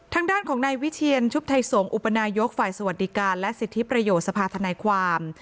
ทางด้านของนายวิเชียนชุบไทยสงฆ์อุปนายกฝ่ายสวัสดิการและสิทธิประโยชน์สภาธนายความ